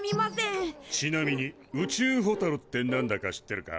ちなみに宇宙ホタルって何だか知ってるか？